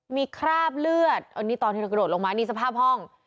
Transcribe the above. มีคราบเลือดอันนี้ตอนที่เรากระโดดลงมานี่สภาพห้อง